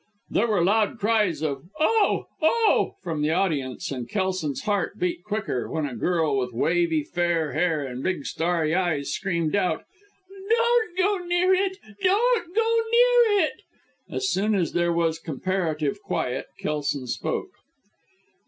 There were loud cries of "Oh! Oh!" from the audience, and Kelson's heart beat quicker, when a girl with wavy, fair hair and big, starry eyes, screamed out "Don't go near it! Don't go near it!" As soon as there was comparative quiet Kelson spoke.